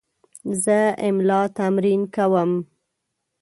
زه املا تمرین کوم.